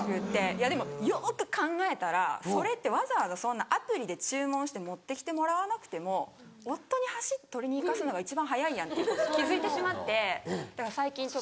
いやでもよく考えたらそれってわざわざアプリで注文して持ってきてもらわなくても夫に走って取りに行かすのが一番早いやんっていうことに気付いてしまってだから最近夫に。